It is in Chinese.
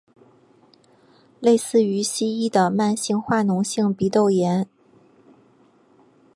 类似于西医的慢性化脓性鼻窦炎。